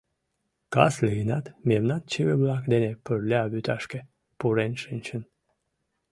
Кас лийынат, мемнан чыве-влак дене пырля вӱташке пурен шинчын.